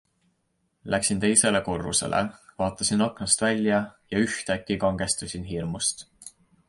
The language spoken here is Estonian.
Läksin teisele korrusele, vaatasin aknast välja ja ühtäkki kangestusin hirmust.